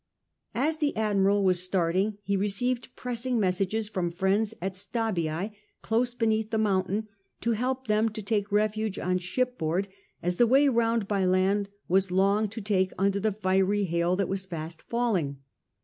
As the admiral was starting he re ceived pressing messages from friends at Stabiae, close beneath the mountain, to help them to take refuge on ship board, as the way round by land was long to take under the fier>^ hail that was fast falling.